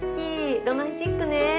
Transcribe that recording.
ロマンチックね。